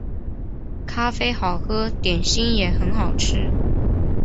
咖啡好喝，点心也很好吃